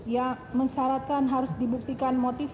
yang mensyaratkan harus dibuktikan motif